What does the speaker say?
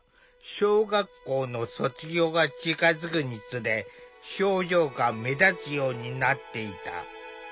小学校の卒業が近づくにつれ症状が目立つようになっていた。